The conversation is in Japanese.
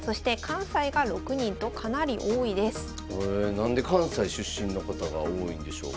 何で関西出身の方が多いんでしょうか。